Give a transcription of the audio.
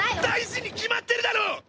大事に決まってるだろ！